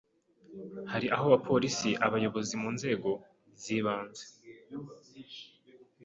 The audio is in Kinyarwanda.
hari aho abapolisi, abayobozi mu nzego z’ibanze